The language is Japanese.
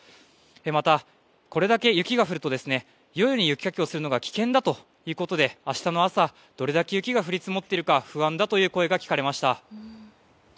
また、これだけ雪が降ると夜に雪かきをするのが危険だということで明日の朝、どれだけ雪が降り積もっているか不安だという声が聞かれました。